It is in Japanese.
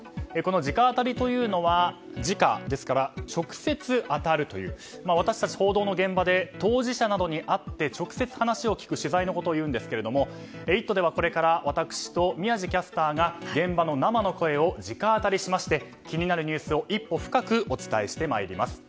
直アタリというのは直、ですから直接当たるという私たち報道の現場で当事者などに会って直接話を聞く取材のことをいうんですが「イット！」では、これから私と宮司キャスターが現場の生の声を直アタリして気になるニュースを一歩深くお伝えしてまいります。